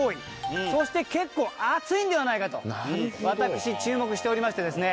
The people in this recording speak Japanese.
そして結構熱いんではないかと私注目しておりましてですね。